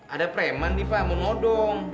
ada preman nih pak mau nodong